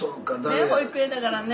ねえ保育園だからね。